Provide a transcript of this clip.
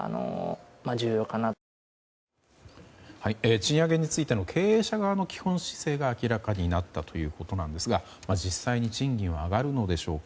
賃上げについての経営者側の基本姿勢が明らかになったということですが実際に賃金は上がるのでしょうか。